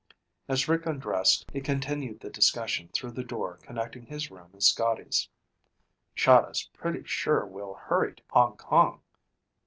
As Rick undressed, he continued the discussion through the door connecting his room and Scotty's. "Chahda's pretty sure we'll hurry to Hong Kong."